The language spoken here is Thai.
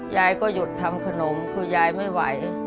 ยายก็หยุดทำขนมคือยายไม่ไหว